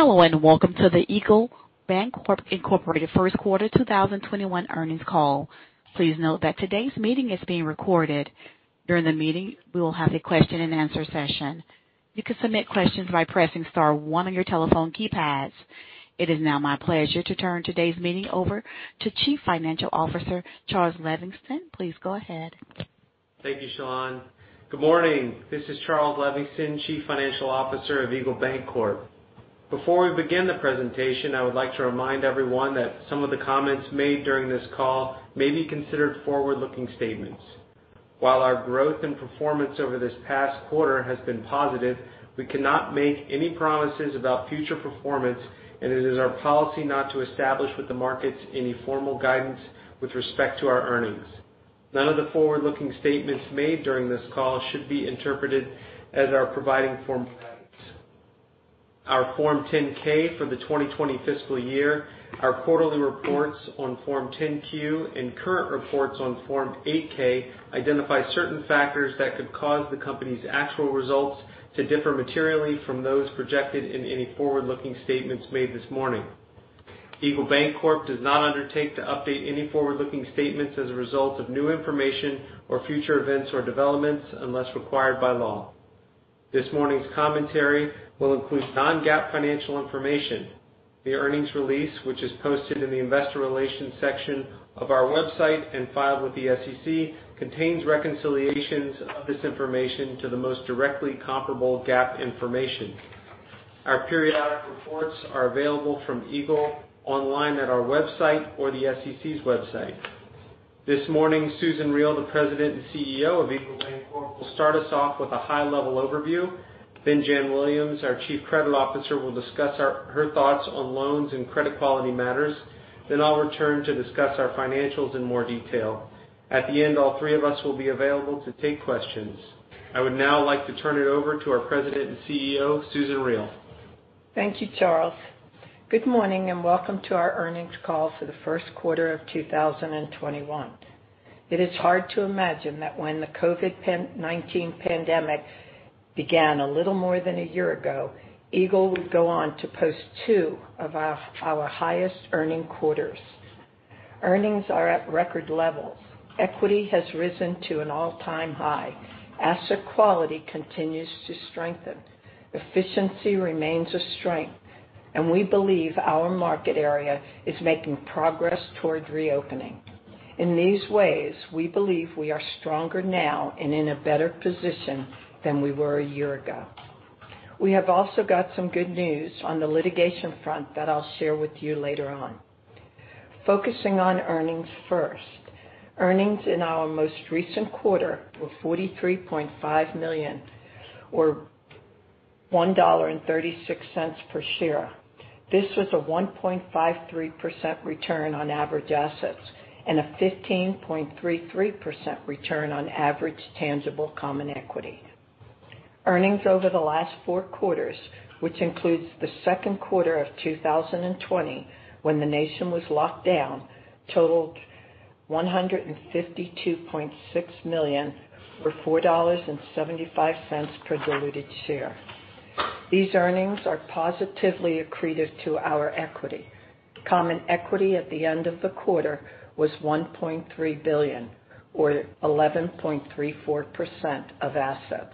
Hello, welcome to the Eagle Bancorp, Inc. First Quarter 2021 Earnings Call. Please note that today's meeting is being recorded. During the meeting, we will have a question and answer session. You can submit questions by pressing star one on your telephone keypads. It is now my pleasure to turn today's meeting over to Chief Financial Officer Charles Levingston. Please go ahead. Thank you, Sean. Good morning. This is Charles Levingston, Chief Financial Officer of Eagle Bancorp. Before we begin the presentation, I would like to remind everyone that some of the comments made during this call may be considered forward-looking statements. While our growth and performance over this past quarter has been positive, we cannot make any promises about future performance. It is our policy not to establish with the markets any formal guidance with respect to our earnings. None of the forward-looking statements made during this call should be interpreted as our providing formal guidance. Our Form 10-K for the 2020 fiscal year, our quarterly reports on Form 10-Q, and current reports on Form 8-K identify certain factors that could cause the company's actual results to differ materially from those projected in any forward-looking statements made this morning. Eagle Bancorp does not undertake to update any forward-looking statements as a result of new information or future events or developments, unless required by law. This morning's commentary will include non-GAAP financial information. The earnings release, which is posted in the investor relations section of our website and filed with the SEC, contains reconciliations of this information to the most directly comparable GAAP information. Our periodic reports are available from Eagle online at our website or the SEC's website. This morning, Susan Riel, the President and CEO of Eagle Bancorp, will start us off with a high-level overview. Jan Williams, our Chief Credit Officer, will discuss her thoughts on loans and credit quality matters. I'll return to discuss our financials in more detail. At the end, all three of us will be available to take questions. I would now like to turn it over to our President and CEO, Susan Riel. Thank you, Charles. Good morning, and welcome to our earnings call for the first quarter of 2021. It is hard to imagine that when the COVID-19 pandemic began a little more than a year ago, Eagle would go on to post two of our highest earning quarters. Earnings are at record levels. Equity has risen to an all-time high. Asset quality continues to strengthen. Efficiency remains a strength. We believe our market area is making progress towards reopening. In these ways, we believe we are stronger now and in a better position than we were a year ago. We have also got some good news on the litigation front that I'll share with you later on. Focusing on earnings first. Earnings in our most recent quarter were $43.5 million, or $1.36 per share. This was a 1.53% return on average assets and a 15.33% return on average tangible common equity. Earnings over the last four quarters, which includes the second quarter of 2020, when the nation was locked down, totaled $152.6 million, or $4.75 per diluted share. These earnings are positively accretive to our equity. Common equity at the end of the quarter was $1.3 billion, or 11.34% of assets.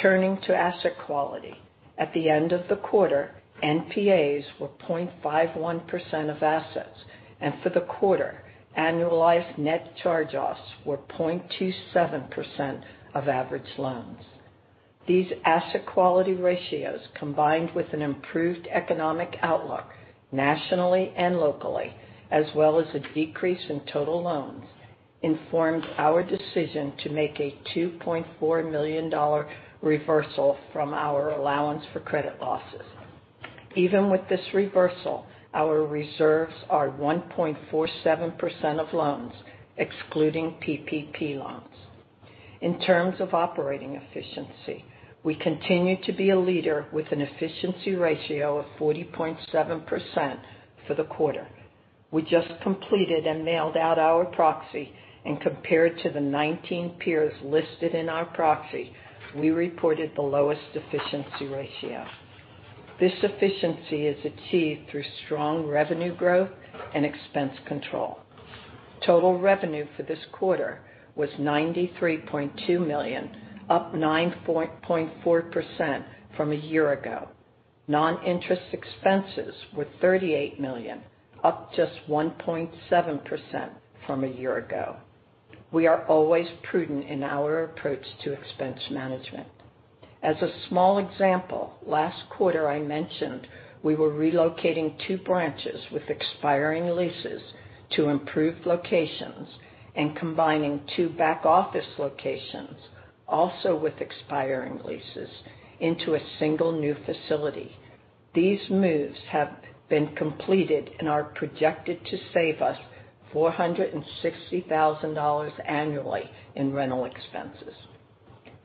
Turning to asset quality. At the end of the quarter, NPAs were 0.51% of assets. For the quarter, annualized net charge-offs were 0.27% of average loans. These asset quality ratios, combined with an improved economic outlook nationally and locally, as well as a decrease in total loans, informed our decision to make a $2.4 million reversal from our allowance for credit losses. Even with this reversal, our reserves are 1.47% of loans, excluding PPP loans. In terms of operating efficiency, we continue to be a leader with an efficiency ratio of 40.7% for the quarter. We just completed and mailed out our proxy, and compared to the 19 peers listed in our proxy, we reported the lowest efficiency ratio. This efficiency is achieved through strong revenue growth and expense control. Total revenue for this quarter was $93.2 million, up 9.4% from a year ago. Non-interest expenses were $38 million, up just 1.7% from a year ago. We are always prudent in our approach to expense management. As a small example, last quarter I mentioned we were relocating two branches with expiring leases to improved locations and combining two back office locations, also with expiring leases, into a single new facility. These moves have been completed and are projected to save us $460,000 annually in rental expenses.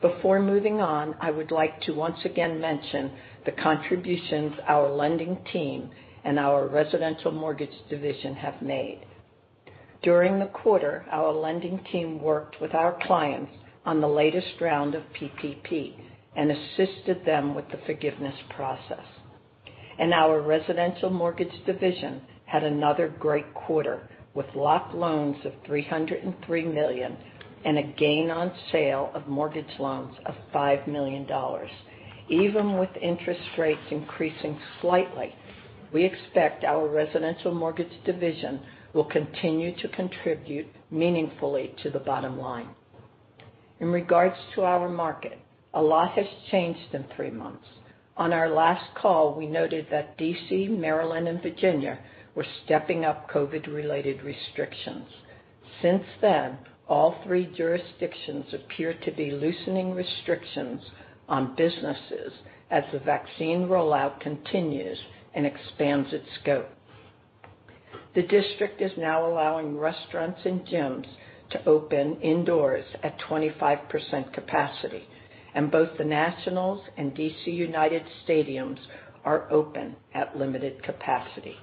Before moving on, I would like to once again mention the contributions our lending team and our residential mortgage division have made. During the quarter, our lending team worked with our clients on the latest round of PPP and assisted them with the forgiveness process. Our residential mortgage division had another great quarter with locked loans of $303 million and a gain on sale of mortgage loans of $5 million. Even with interest rates increasing slightly, we expect our residential mortgage division will continue to contribute meaningfully to the bottom line. In regards to our market, a lot has changed in three months. On our last call, we noted that D.C., Maryland, and Virginia were stepping up COVID-19-related restrictions. Since then, all three jurisdictions appear to be loosening restrictions on businesses as the vaccine rollout continues and expands its scope. The District is now allowing restaurants and gyms to open indoors at 25% capacity, and both the Washington Nationals and D.C. United stadiums are open at limited capacity.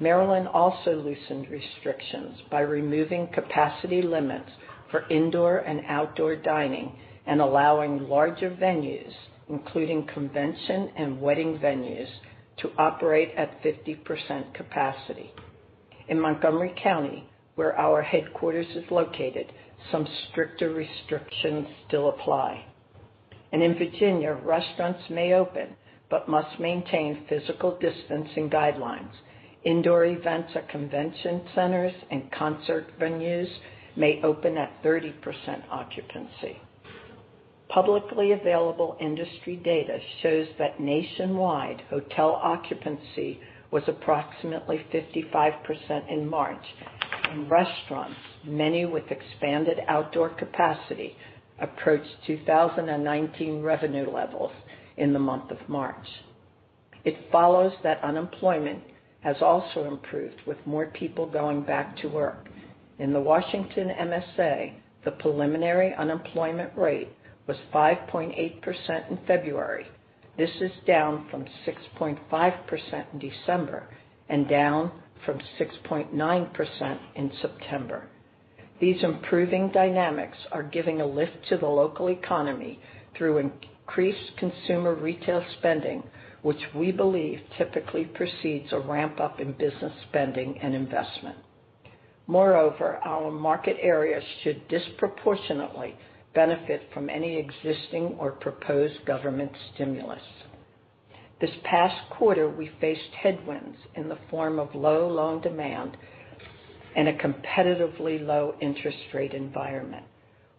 Maryland also loosened restrictions by removing capacity limits for indoor and outdoor dining and allowing larger venues, including convention and wedding venues, to operate at 50% capacity. In Montgomery County, where our headquarters is located, some stricter restrictions still apply. In Virginia, restaurants may open but must maintain physical distancing guidelines. Indoor events at convention centers and concert venues may open at 30% occupancy. Publicly available industry data shows that nationwide hotel occupancy was approximately 55% in March, and restaurants, many with expanded outdoor capacity, approached 2019 revenue levels in the month of March. It follows that unemployment has also improved with more people going back to work. In the Washington MSA, the preliminary unemployment rate was 5.8% in February. This is down from 6.5% in December and down from 6.9% in September. These improving dynamics are giving a lift to the local economy through increased consumer retail spending, which we believe typically precedes a ramp-up in business spending and investment. Moreover, our market areas should disproportionately benefit from any existing or proposed government stimulus. This past quarter, we faced headwinds in the form of low loan demand and a competitively low interest rate environment.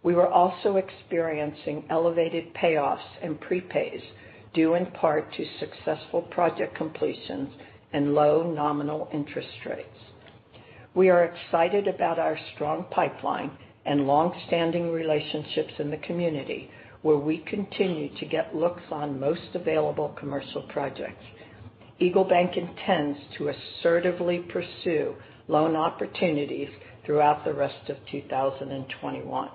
We were also experiencing elevated payoffs and prepays due in part to successful project completions and low nominal interest rates. We are excited about our strong pipeline and long-standing relationships in the community, where we continue to get looks on most available commercial projects. EagleBank intends to assertively pursue loan opportunities throughout the rest of 2021.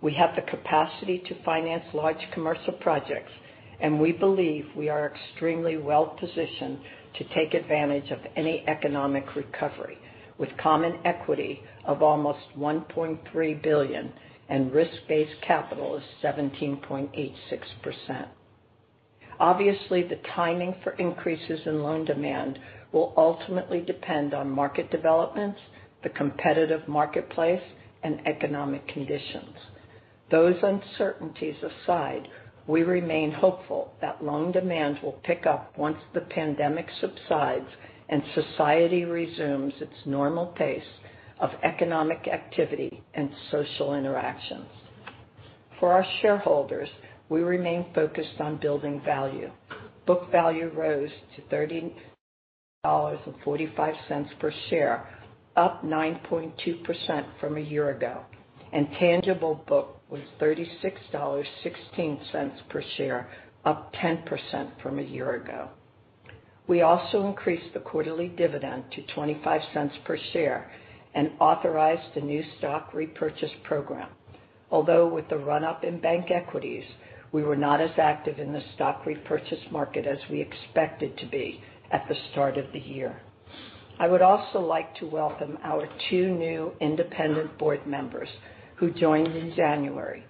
We have the capacity to finance large commercial projects, and we believe we are extremely well-positioned to take advantage of any economic recovery with common equity of almost $1.3 billion and risk-based capital is 17.86%. Obviously, the timing for increases in loan demand will ultimately depend on market developments, the competitive marketplace, and economic conditions. Those uncertainties aside, we remain hopeful that loan demand will pick up once the pandemic subsides and society resumes its normal pace of economic activity and social interactions. For our shareholders, we remain focused on building value. Book value rose to $30.45 per share, up 9.2% from a year ago, and tangible book was $36.16 per share, up 10% from a year ago. We also increased the quarterly dividend to $0.25 per share and authorized a new stock repurchase program. Although with the run-up in bank equities, we were not as active in the stock repurchase market as we expected to be at the start of the year. I would also like to welcome our two new independent board members who joined in January,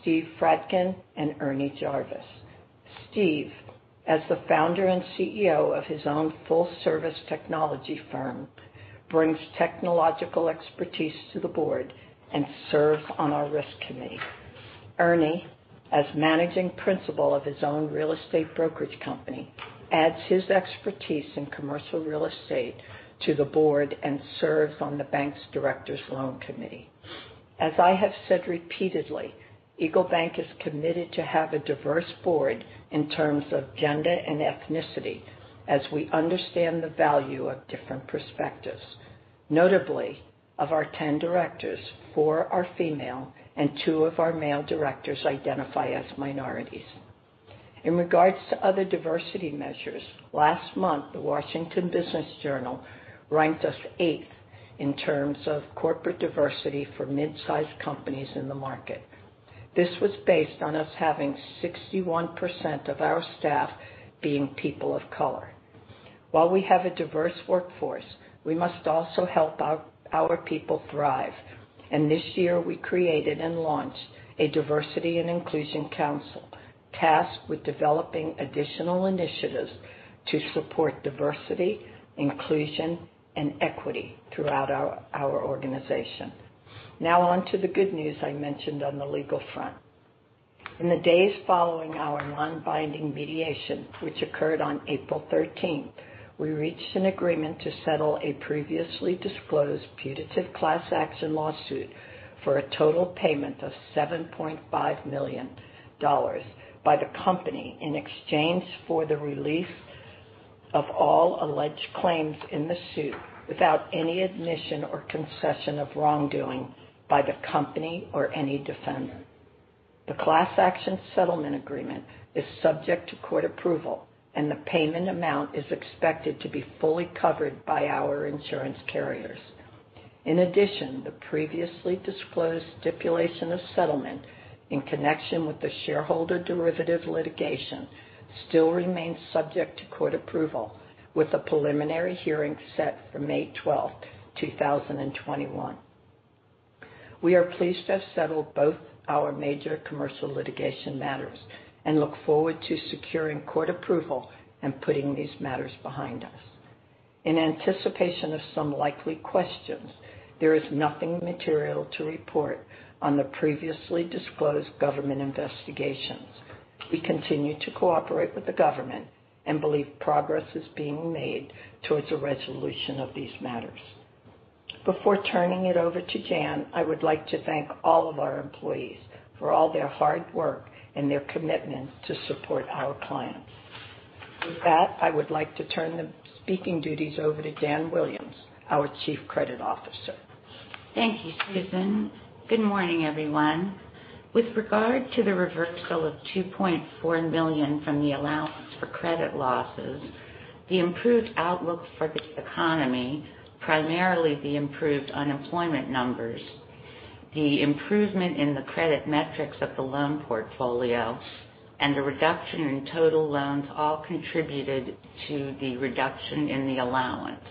Steve Freidkin and Ernie Jarvis. Steve, as the founder and CEO of his own full-service technology firm, brings technological expertise to the board and serves on our risk committee. Ernie, as managing principal of his own real estate brokerage company, adds his expertise in commercial real estate to the board and serves on the bank's directors loan committee. As I have said repeatedly, EagleBank is committed to have a diverse board in terms of gender and ethnicity, as we understand the value of different perspectives. Notably, of our 10 directors, four are female and two of our male directors identify as minorities. In regards to other diversity measures, last month the Washington Business Journal ranked us eighth in terms of corporate diversity for mid-sized companies in the market. This was based on us having 61% of our staff being people of color. While we have a diverse workforce, we must also help our people thrive. This year we created and launched a diversity and inclusion council tasked with developing additional initiatives to support diversity, inclusion, and equity throughout our organization. Now on to the good news I mentioned on the legal front. In the days following our non-binding mediation, which occurred on April 13th, we reached an agreement to settle a previously disclosed putative class action lawsuit for a total payment of $7.5 million by the company in exchange for the release of all alleged claims in the suit without any admission or concession of wrongdoing by the company or any defendant. The class action settlement agreement is subject to court approval, and the payment amount is expected to be fully covered by our insurance carriers. In addition, the previously disclosed stipulation of settlement in connection with the shareholder derivative litigation still remains subject to court approval, with a preliminary hearing set for May 12th, 2021. We are pleased to have settled both our major commercial litigation matters and look forward to securing court approval and putting these matters behind us. In anticipation of some likely questions, there is nothing material to report on the previously disclosed government investigations. We continue to cooperate with the government and believe progress is being made towards a resolution of these matters. Before turning it over to Jan, I would like to thank all of our employees for all their hard work and their commitment to support our clients. With that, I would like to turn the speaking duties over to Jan Williams, our Chief Credit Officer. Thank you, Susan. Good morning, everyone. With regard to the reversal of $2.4 million from the allowance for credit losses, the improved outlook for the economy, primarily the improved unemployment numbers, the improvement in the credit metrics of the loan portfolio, and the reduction in total loans all contributed to the reduction in the allowance.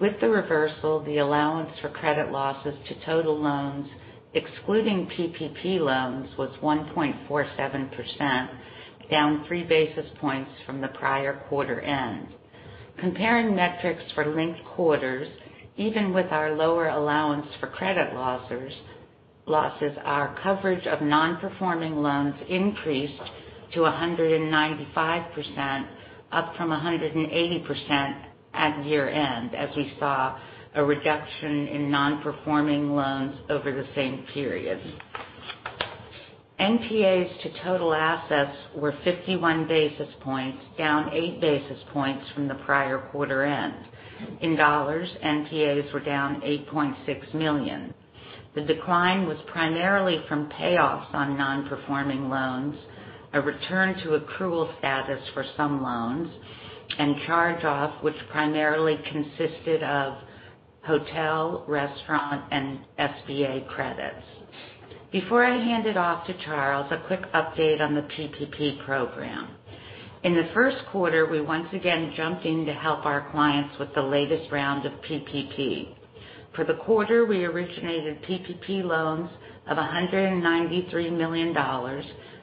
With the reversal, the allowance for credit losses to total loans, excluding PPP loans, was 1.47%, down three basis points from the prior quarter end. Comparing metrics for linked quarters, even with our lower allowance for credit losses, our coverage of non-performing loans increased to 195%, up from 180% at year-end, as we saw a reduction in non-performing loans over the same period. NPAs to total assets were 51 basis points, down 8 basis points from the prior quarter end. In dollars, NPAs were down $8.6 million. The decline was primarily from payoffs on non-performing loans, a return to accrual status for some loans, and charge-off, which primarily consisted of hotel, restaurant, and SBA credits. Before I hand it off to Charles, a quick update on the PPP program. In the first quarter, we once again jumped in to help our clients with the latest round of PPP. For the quarter, we originated PPP loans of $193 million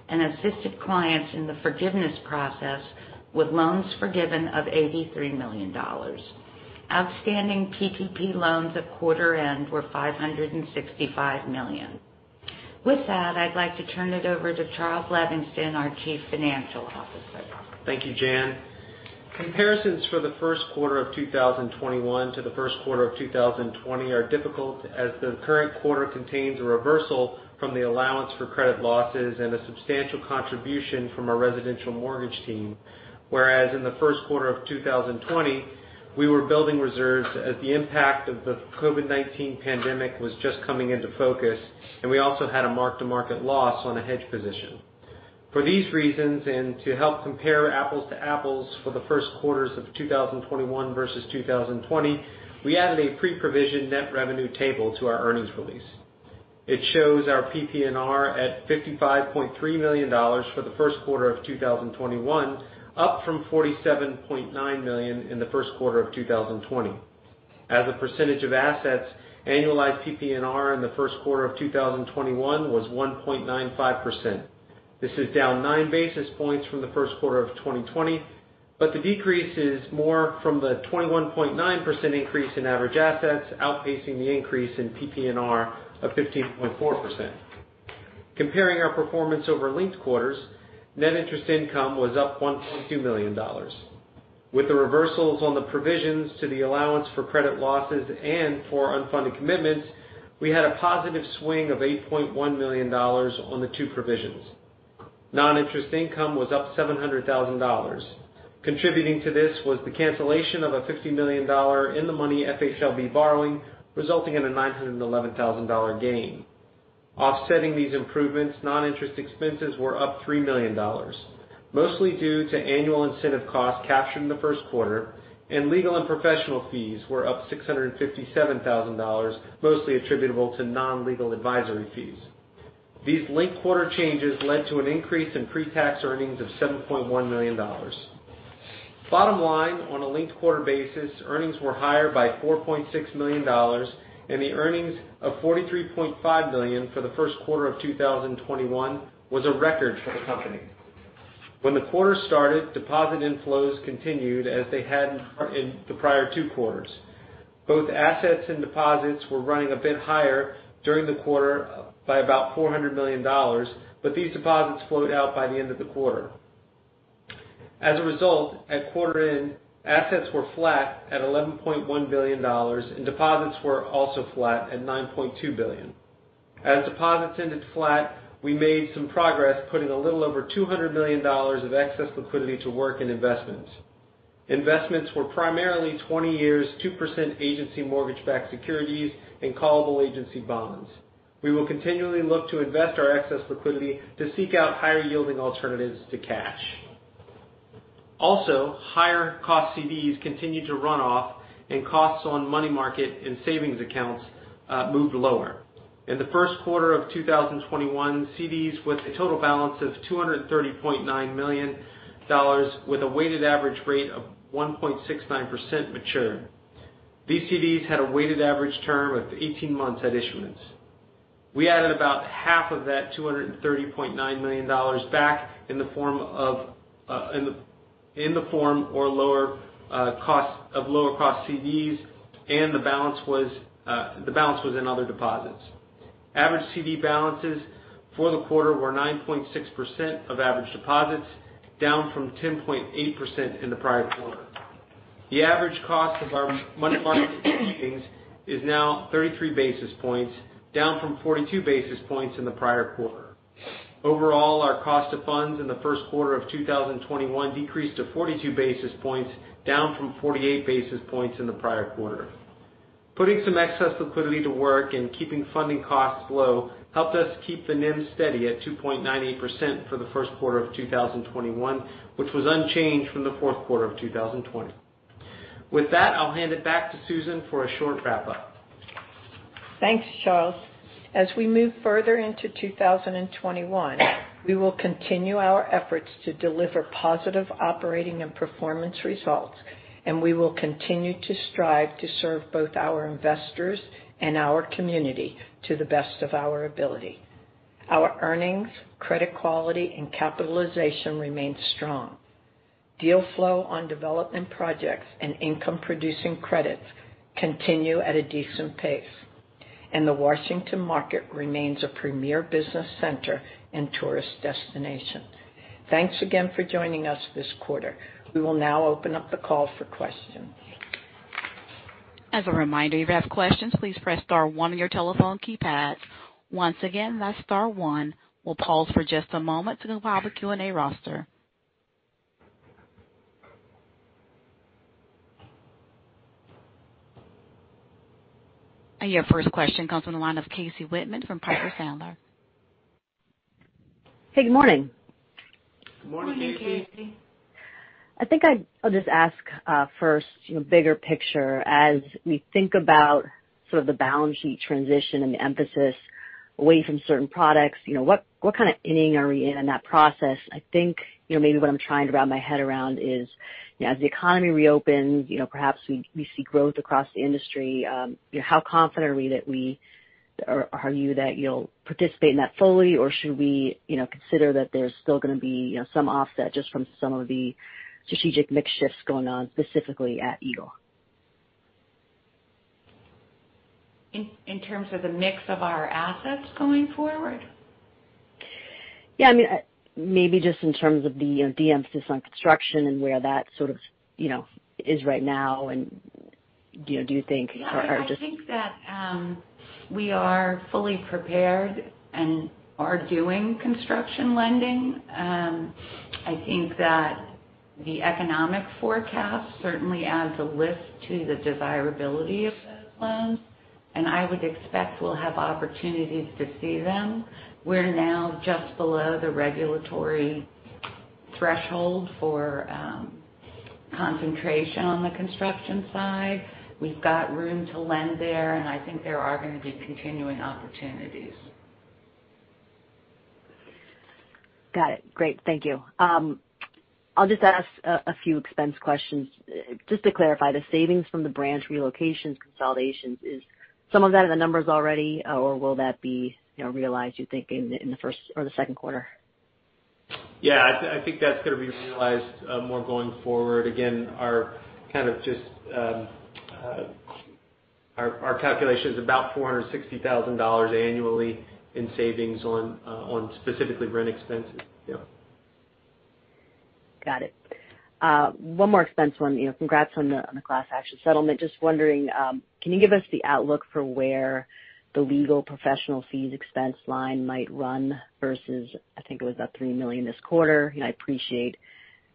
and assisted clients in the forgiveness process with loans forgiven of $83 million. Outstanding PPP loans at quarter end were $565 million. With that, I'd like to turn it over to Charles Levingston, our Chief Financial Officer. Thank you, Jan. Comparisons for the first quarter of 2021 to the first quarter of 2020 are difficult, as the current quarter contains a reversal from the allowance for credit losses and a substantial contribution from our residential mortgage team. Whereas in the first quarter of 2020, we were building reserves as the impact of the COVID-19 pandemic was just coming into focus, and we also had a mark-to-market loss on a hedge position. For these reasons, and to help compare apples to apples for the first quarters of 2021 versus 2020, we added a pre-provision net revenue table to our earnings release. It shows our PPNR at $55.3 million for the first quarter of 2021, up from $47.9 million in the first quarter of 2020. As a percentage of assets, annualized PPNR in the first quarter of 2021 was 1.95%. This is down nine basis points from the first quarter of 2020. The decrease is more from the 21.9% increase in average assets, outpacing the increase in PPNR of 15.4%. Comparing our performance over linked quarters, net interest income was up $1.2 million. With the reversals on the provisions to the allowance for credit losses and for unfunded commitments, we had a positive swing of $8.1 million on the two provisions. Non-interest income was up $700,000. Contributing to this was the cancellation of a $50 million in-the-money FHLB borrowing, resulting in a $911,000 gain. Offsetting these improvements, non-interest expenses were up $3 million. Mostly due to annual incentive costs captured in the first quarter, and legal and professional fees were up $657,000, mostly attributable to non-legal advisory fees. These linked quarter changes led to an increase in pre-tax earnings of $7.1 million. Bottom line, on a linked quarter basis, earnings were higher by $4.6 million, and the earnings of $43.5 million for the first quarter of 2021 was a record for the company. When the quarter started, deposit inflows continued as they had in the prior two quarters. Both assets and deposits were running a bit higher during the quarter by about $400 million. These deposits flowed out by the end of the quarter. As a result, at quarter end, assets were flat at $11.1 billion. Deposits were also flat at $9.2 billion. As deposits ended flat, we made some progress putting a little over $200 million of excess liquidity to work in investments. Investments were primarily 20 years, 2% agency mortgage-backed securities, and callable agency bonds. We will continually look to invest our excess liquidity to seek out higher-yielding alternatives to cash. Also, higher cost CDs continued to run off, and costs on money market and savings accounts moved lower. In the first quarter of 2021, CDs with a total balance of $230.9 million, with a weighted average rate of 1.69% matured. These CDs had a weighted average term of 18 months at issuance. We added about half of that $230.9 million back in the form of lower cost CDs, and the balance was in other deposits. Average CD balances for the quarter were 9.6% of average deposits, down from 10.8% in the prior quarter. The average cost of our money market and savings is now 33 basis points, down from 42 basis points in the prior quarter. Overall, our cost of funds in the first quarter of 2021 decreased to 42 basis points, down from 48 basis points in the prior quarter. Putting some excess liquidity to work and keeping funding costs low helped us keep the NIM steady at 2.98% for the first quarter of 2021, which was unchanged from the fourth quarter of 2020. With that, I'll hand it back to Susan for a short wrap-up. Thanks, Charles. As we move further into 2021, we will continue our efforts to deliver positive operating and performance results, and we will continue to strive to serve both our investors and our community to the best of our ability. Our earnings, credit quality, and capitalization remain strong. Deal flow on development projects and income-producing credits continue at a decent pace, and the Washington market remains a premier business center and tourist destination. Thanks again for joining us this quarter. We will now open up the call for questions. As a reminder, if you have questions, please press star one on your telephone keypad. Once again, that's star one. We'll pause for just a moment to compile the Q&A roster. Your first question comes from the line of Casey Whitman from Piper Sandler. Hey, good morning. Good morning. Good morning, Casey. I think I'll just ask first, bigger picture, as we think about sort of the balance sheet transition and the emphasis away from certain products, what kind of inning are we in that process? I think maybe what I'm trying to wrap my head around is, as the economy reopens, perhaps we see growth across the industry. How confident are you that you'll participate in that fully, or should we consider that there's still going to be some offset just from some of the strategic mix shifts going on, specifically at Eagle? In terms of the mix of our assets going forward? Yeah. Maybe just in terms of the emphasis on construction and where that sort of is right now, and do you think- I think that we are fully prepared and are doing construction lending. I think that the economic forecast certainly adds a lift to the desirability of those loans, and I would expect we'll have opportunities to see them. We're now just below the regulatory threshold for concentration on the construction side. We've got room to lend there, and I think there are going to be continuing opportunities. Got it. Great. Thank you. I'll just ask a few expense questions. Just to clarify, the savings from the branch relocations consolidations, is some of that in the numbers already, or will that be realized, do you think, in the first or the second quarter? I think that's going to be realized more going forward. Again, our calculation is about $460,000 annually in savings on specifically rent expenses. Got it. The more expense one. Congrats on the class action settlement. Just wondering, can you give us the outlook for where the legal professional fees expense line might run versus, I think it was about $3 million this quarter? I appreciate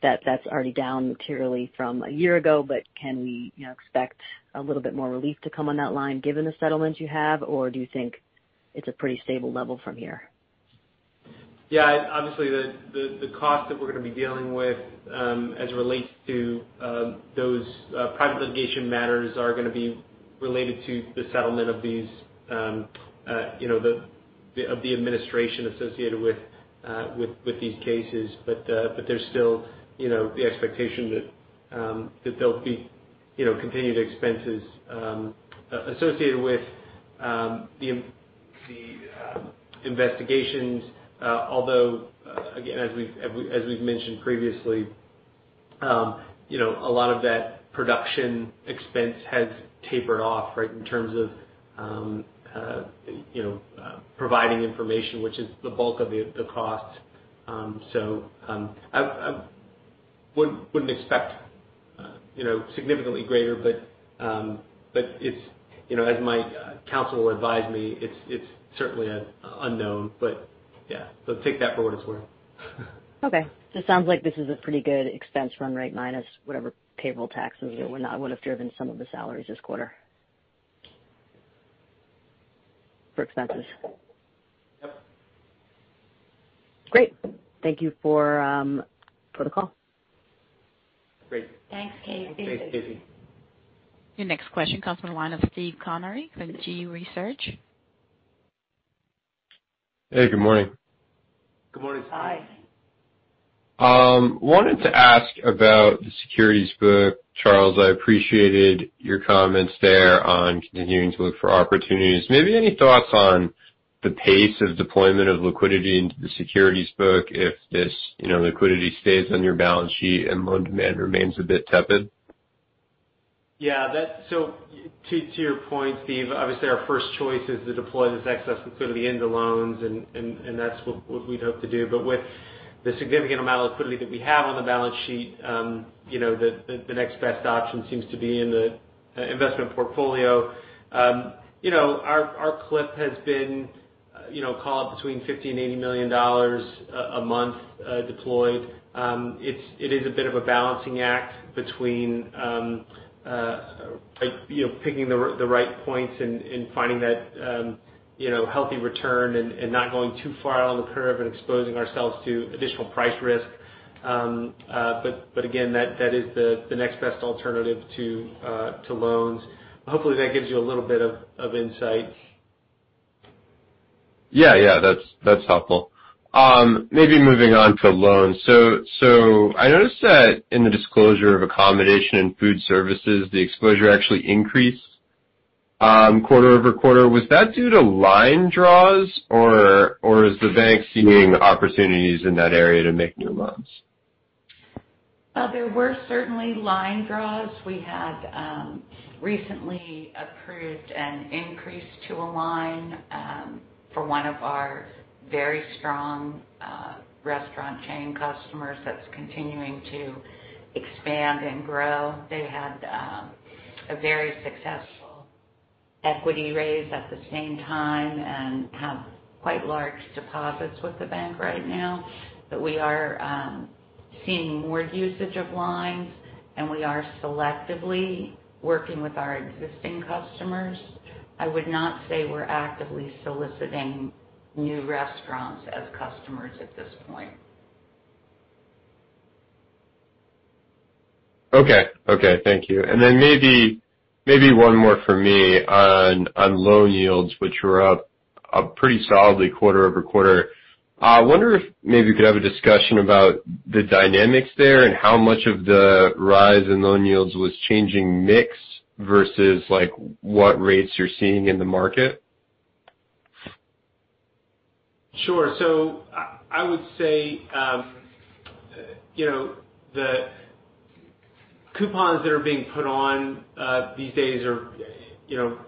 that's already down materially from a year ago, but can we expect a little bit more relief to come on that line given the settlements you have? Or do you think it's a pretty stable level from here? Yeah. Obviously, the cost that we're going to be dealing with as it relates to those private litigation matters are going to be related to the settlement of the administration associated with these cases. There's still the expectation that there'll be continued expenses associated with the investigations. Although, again, as we've mentioned previously, a lot of that production expense has tapered off, right, in terms of providing information, which is the bulk of the cost. I wouldn't expect significantly greater, but as my counsel will advise me, it's certainly an unknown. Yeah. Take that for what it's worth. Okay. It sounds like this is a pretty good expense run rate minus whatever payroll taxes that would not would have driven some of the salaries this quarter for expenses. Great. Thank you for the call. Great. Thanks, Casey. Thanks, Casey. Your next question comes from the line of Steve Comery from G-Research. Hey, good morning. Good morning. Hi. Wanted to ask about the securities book. Charles, I appreciated your comments there on continuing to look for opportunities. Maybe any thoughts on the pace of deployment of liquidity into the securities book if this liquidity stays on your balance sheet and loan demand remains a bit tepid? Yeah. To your point, Steve, obviously our first choice is to deploy this excess liquidity into loans and that's what we'd hope to do. With the significant amount of liquidity that we have on the balance sheet, the next best option seems to be in the investment portfolio. Our clip has been call it between $50 million and $80 million a month deployed. It is a bit of a balancing act between picking the right points and finding that healthy return and not going too far out on the curve and exposing ourselves to additional price risk. Again, that is the next best alternative to loans. Hopefully, that gives you a little bit of insight. Yeah. That's helpful. Maybe moving on to loans. I noticed that in the disclosure of accommodation and food services, the exposure actually increased quarter-over-quarter. Was that due to line draws or is the bank seeing opportunities in that area to make new loans? Well, there were certainly line draws. We had recently approved an increase to a line for one of our very strong restaurant chain customers that's continuing to expand and grow. They had a very successful equity raise at the same time and have quite large deposits with the bank right now. We are seeing more usage of lines, and we are selectively working with our existing customers. I would not say we're actively soliciting new restaurants as customers at this point. Okay. Thank you. Maybe one more from me on loan yields, which were up pretty solidly quarter-over-quarter. I wonder if maybe we could have a discussion about the dynamics there and how much of the rise in loan yields was changing mix versus what rates you're seeing in the market. Sure. I would say the coupons that are being put on these days are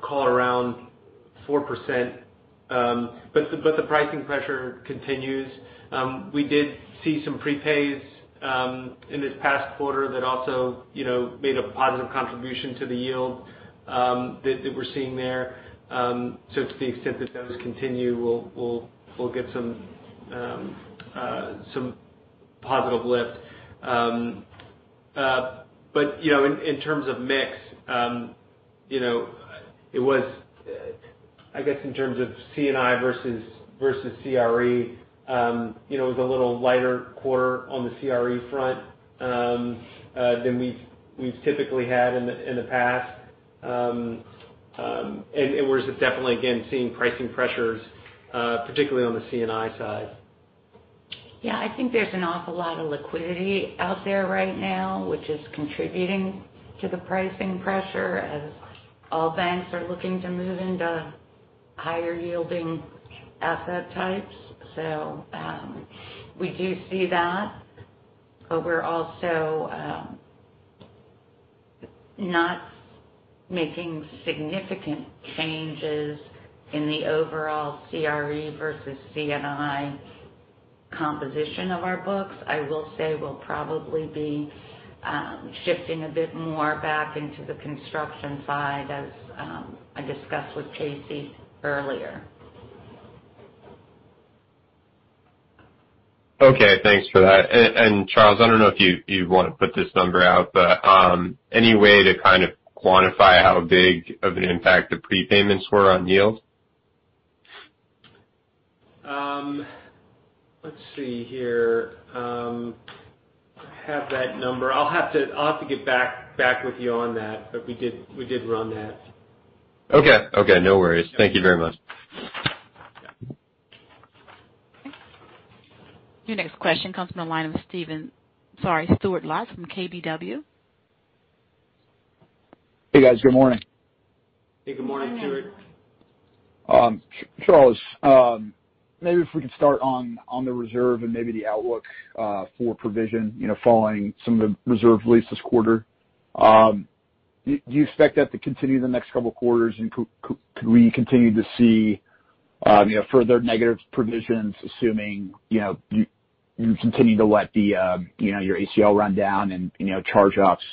call it around 4%, but the pricing pressure continues. We did see some prepays in this past quarter that also made a positive contribution to the yield that we're seeing there. To the extent that those continue, we'll get some positive lift. In terms of mix, it was, I guess in terms of C&I versus CRE, it was a little lighter quarter on the CRE front than we've typically had in the past. We're just definitely, again, seeing pricing pressures, particularly on the C&I side. Yeah, I think there's an awful lot of liquidity out there right now, which is contributing to the pricing pressure as all banks are looking to move into higher yielding asset types. We do see that, but we're also not making significant changes in the overall CRE versus C&I composition of our books. I will say we'll probably be shifting a bit more back into the construction side as I discussed with Casey earlier. Okay. Thanks for that. Charles, I don't know if you want to put this number out, but any way to kind of quantify how big of an impact the prepayments were on yield? Let's see here. I have that number. I'll have to get back with you on that, but we did run that. Okay. No worries. Thank you very much. Your next question comes from the line of Steven, sorry, Stuart Lotz from KBW. Hey, guys. Good morning. Hey, good morning, Stuart. Charles, maybe if we could start on the reserve and maybe the outlook for provision following some of the reserve release this quarter. Do you expect that to continue the next couple of quarters, and could we continue to see further negative provisions, assuming you continue to let your ACL run down and charge-offs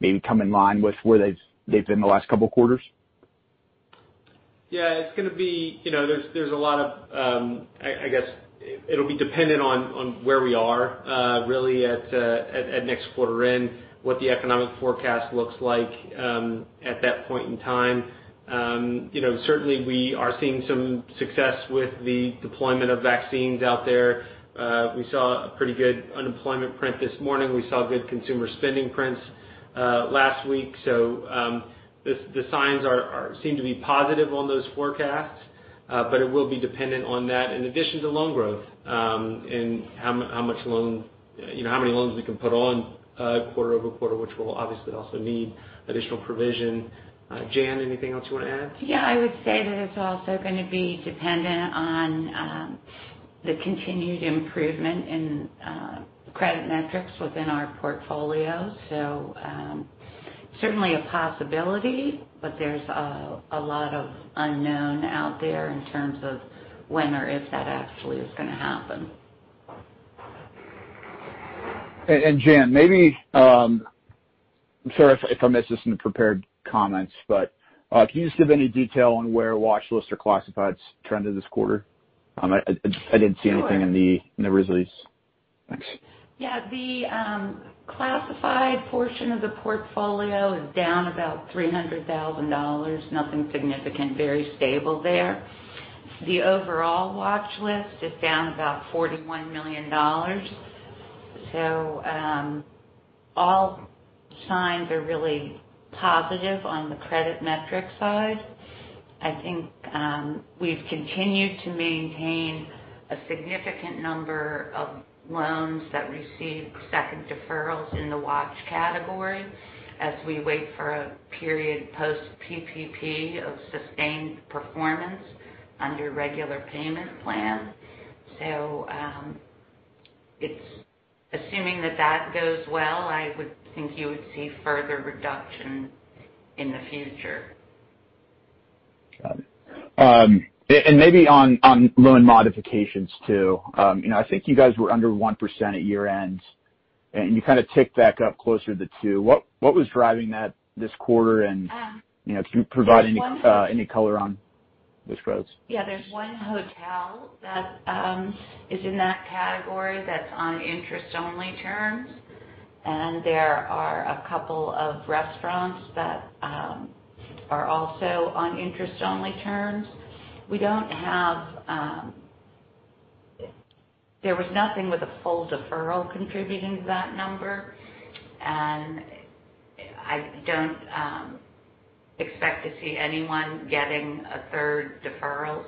maybe come in line with where they've been the last couple of quarters? Yeah, I guess, it'll be dependent on where we are really at next quarter and what the economic forecast looks like at that point in time. Certainly, we are seeing some success with the deployment of vaccines out there. We saw a pretty good unemployment print this morning. We saw good consumer spending prints last week. The signs seem to be positive on those forecasts, but it will be dependent on that in addition to loan growth, and how many loans we can put on quarter-over-quarter, which will obviously also need additional provision. Jan, anything else you want to add? Yeah, I would say that it's also going to be dependent on the continued improvement in credit metrics within our portfolio. Certainly a possibility, but there's a lot of unknown out there in terms of when or if that actually is going to happen. Jan, I'm sorry if I missed this in the prepared comments, can you just give any detail on where watchlist or classifieds trended this quarter? I didn't see anything in the release. Thanks. Yeah. The classified portion of the portfolio is down about $300,000. Nothing significant, very stable there. The overall watchlist is down about $41 million. All signs are really positive on the credit metric side. I think we've continued to maintain a significant number of loans that received second deferrals in the watch category as we wait for a period post-PPP of sustained performance under regular payment plan. Assuming that that goes well, I would think you would see further reduction in the future. Got it. Maybe on loan modifications, too. I think you guys were under 1% at year-end, and you kind of ticked back up closer to two. What was driving that this quarter? Can you provide any color on those flows? Yeah, there's one hotel that is in that category that's on interest-only terms, and there are a couple of restaurants that are also on interest-only terms. There was nothing with a full deferral contributing to that number, and I don't expect to see anyone getting a third deferral.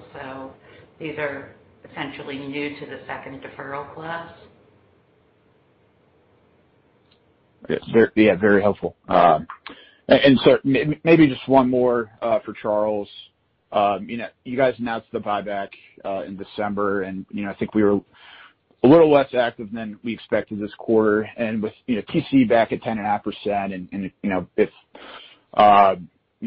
These are essentially new to the second deferral class. Yeah, very helpful. Sorry, maybe just one more for Charles. You guys announced the buyback in December, and I think we were a little less active than we expected this quarter. With TC back at 10.5% and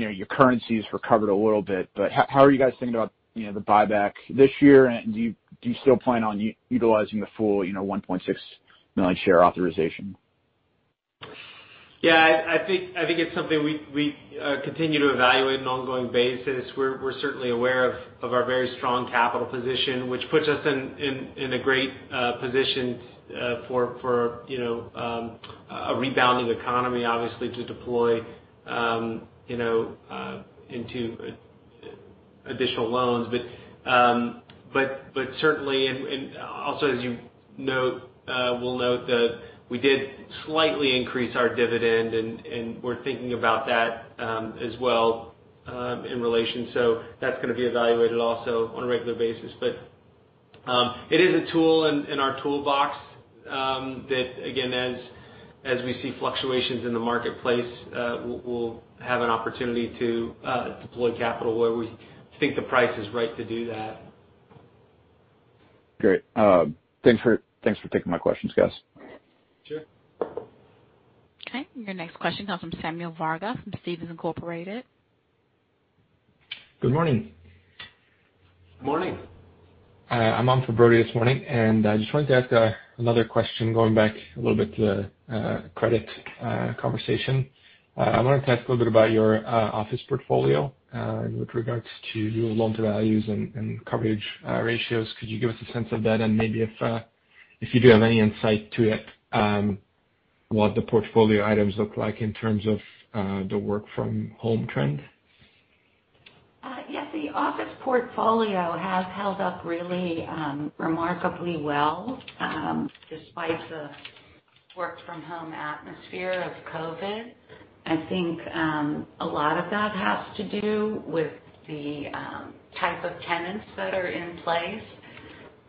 if your currency's recovered a little bit. How are you guys thinking about the buyback this year, and do you still plan on utilizing the full 1.6 million share authorization? Yeah, I think it's something we continue to evaluate on an ongoing basis. We're certainly aware of our very strong capital position, which puts us in a great position for a rebounding economy, obviously, to deploy into additional loans. Certainly, also as you will note that we did slightly increase our dividend, and we're thinking about that as well in relation. That's going to be evaluated also on a regular basis. It is a tool in our toolbox that, again, as we see fluctuations in the marketplace, we'll have an opportunity to deploy capital where we think the price is right to do that. Great. Thanks for taking my questions, guys. Sure. Okay, your next question comes from Samuel Varga from Stephens Inc. Good morning. Morning. I'm on for Brody this morning, and I just wanted to ask another question going back a little bit to the credit conversation. I wanted to ask a little bit about your office portfolio with regards to your loan to values and coverage ratios. Could you give us a sense of that and maybe if you do have any insight to it what the portfolio items look like in terms of the work from home trend? Yes. The office portfolio has held up really remarkably well, despite the work from home atmosphere of COVID. I think a lot of that has to do with the type of tenants that are in place,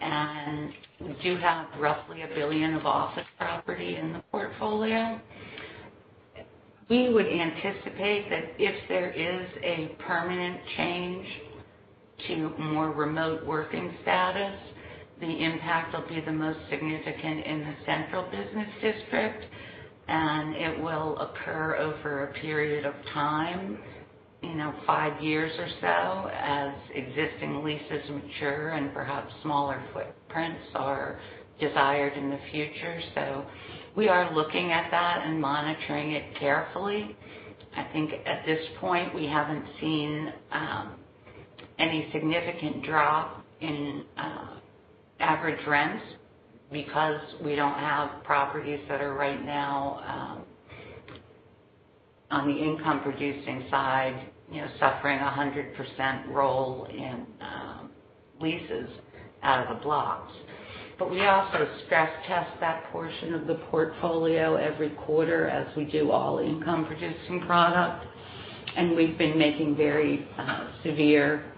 and we do have roughly $1 billion of office property in the portfolio. We would anticipate that if there is a permanent change to more remote working status, the impact will be the most significant in the central business district, and it will occur over a period of time, five years or so, as existing leases mature and perhaps smaller footprints are desired in the future. We are looking at that and monitoring it carefully. I think at this point, we haven't seen any significant drop in average rents because we don't have properties that are right now on the income producing side suffering 100% roll in leases out of the blocks. We also stress test that portion of the portfolio every quarter as we do all income producing product, and we've been making very severe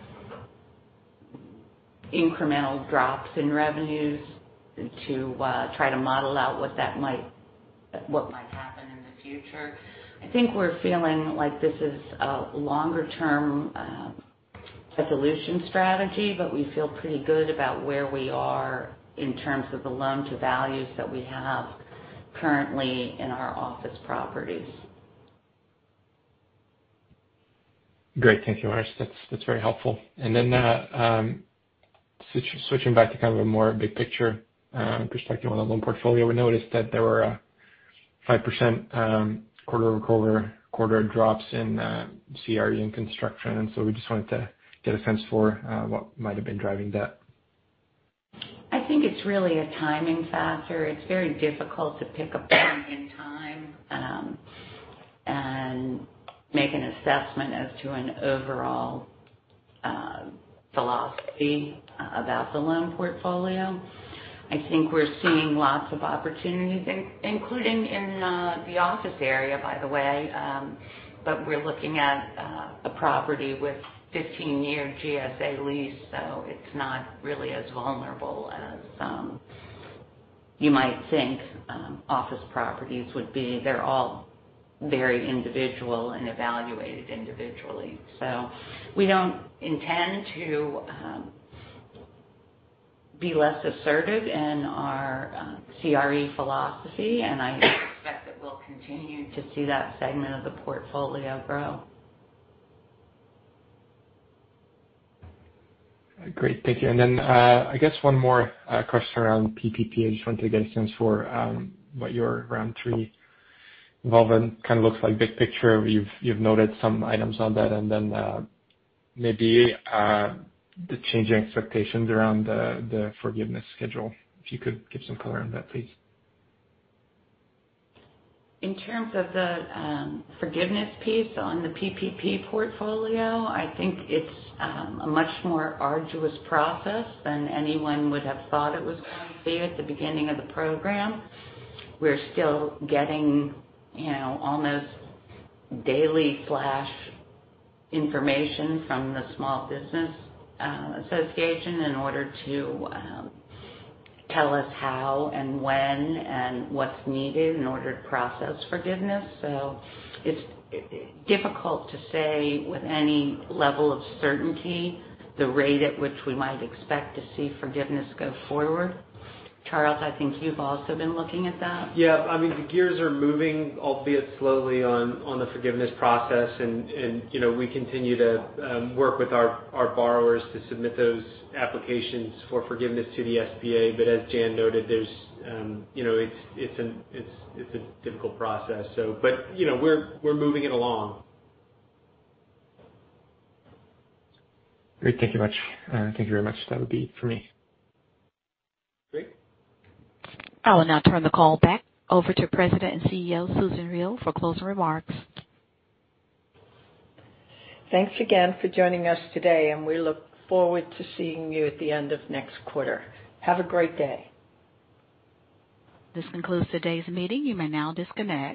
incremental drops in revenues to try to model out what might happen in the future. I think we're feeling like this is a longer-term solution strategy, but we feel pretty good about where we are in terms of the loan to values that we have currently in our office properties. Great. Thank you, Jan. That's very helpful. Switching back to kind of a more big picture perspective on the loan portfolio, we noticed that there were 5% quarter-over-quarter drops in CRE and construction, and so we just wanted to get a sense for what might have been driving that. I think it's really a timing factor. It's very difficult to pick a point in time and make an assessment as to an overall philosophy about the loan portfolio. I think we're seeing lots of opportunities, including in the office area, by the way, but we're looking at a property with 15-year GSA lease, so it's not really as vulnerable as you might think office properties would be. They're all very individual and evaluated individually. We don't intend to be less assertive in our CRE philosophy, and I expect that we'll continue to see that segment of the portfolio grow. Great. Thank you. I guess one more question around PPP. I just wanted to get a sense for what your round three involvement kind of looks like big picture. You've noted some items on that, maybe the changing expectations around the forgiveness schedule. If you could give some color on that, please. In terms of the forgiveness piece on the PPP portfolio, I think it's a much more arduous process than anyone would have thought it was going to be at the beginning of the program. We're still getting almost daily flash information from the Small Business Administration in order to tell us how and when and what's needed in order to process forgiveness. It's difficult to say with any level of certainty the rate at which we might expect to see forgiveness go forward. Charles, I think you've also been looking at that. The gears are moving, albeit slowly, on the forgiveness process, and we continue to work with our borrowers to submit those applications for forgiveness to the SBA. As Jan noted, it's a difficult process. We're moving it along. Great. Thank you much. Thank you very much. That would be it for me. Great. I will now turn the call back over to President and CEO, Susan Riel, for closing remarks. Thanks again for joining us today, and we look forward to seeing you at the end of next quarter. Have a great day. This concludes today's meeting. You may now disconnect.